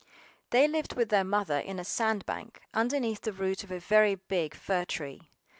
They lived with their Mother in a sand bank, underneath the root of a very big fir tree.